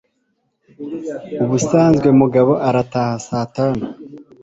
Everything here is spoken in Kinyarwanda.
Ubusanzwe Mugabo arataha saa tanu.